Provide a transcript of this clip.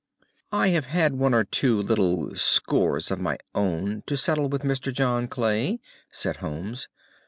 "I have had one or two little scores of my own to settle with Mr. John Clay," said Holmes.